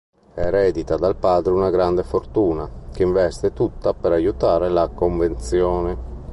Eredita dal padre una grande fortuna, che investe tutta per aiutare la Convenzione.